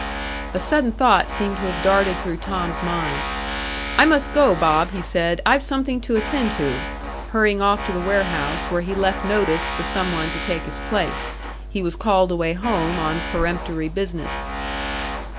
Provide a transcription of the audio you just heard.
A sudden thought seemed to have darted through Tom's mind. "I must go, Bob," he said; "I've something to attend to," hurrying off to the warehouse, where he left notice for some one to take his place; he was called away home on peremptory business.